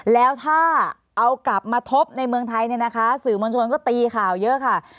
แล้วถ้าเอากลับมาทบในเมืองไทยเนี่ยนะคะสื่อมวลชนก็ตีข่าวเยอะค่ะ